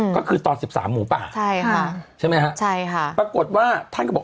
ก็คือตอน๑๓หมูป่าใช่ค่ะใช่ไหมฮะใช่ค่ะปรากฏว่าท่านก็บอก